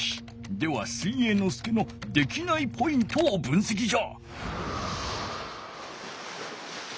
では水泳ノ介のできないポイントを分せきじゃ！